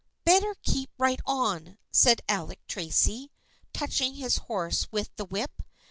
" Better keep right on," said Alec Tracy, touch ing his horse with the whip.